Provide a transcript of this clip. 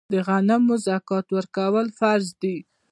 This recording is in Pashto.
د غنمو زکات ورکول فرض دي.